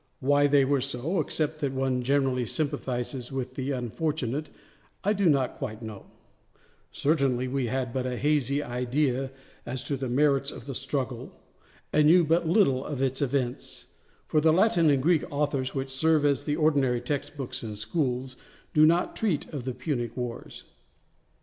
Why they were so, except that one generally sympathizes with the unfortunate, I do not quite know; certainly we had but a hazy idea as to the merits of the struggle and knew but little of its events, for the Latin and Greek authors, which serve as the ordinary textbooks in schools, do not treat of the Punic wars.